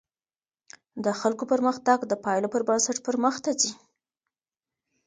د خلګو پرمختګ د پایلو پر بنسټ پرمخته ځي.